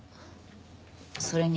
それに。